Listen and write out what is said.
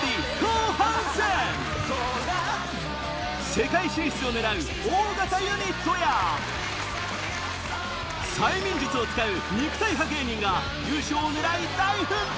世界進出を狙う大型ユニットや催眠術を使う肉体派芸人が優勝を狙い大奮闘！